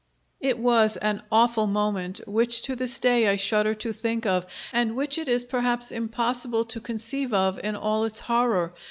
It was an awful moment, which to this day I shudder to think of, and which it is perhaps impossible to conceive of in all its horror.